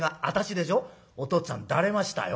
おとっつぁんだれましたよ。